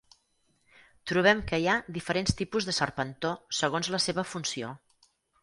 Trobem que hi ha diferents tipus de serpentó segons la seva funció.